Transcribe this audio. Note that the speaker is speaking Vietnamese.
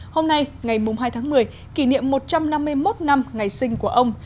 hôm nay ngày hai tháng một mươi kỷ niệm một trăm năm mươi một năm ngày sinh của ông